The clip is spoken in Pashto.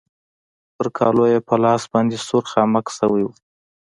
پر کالو يې په لاس باندې سور خامک شوی و.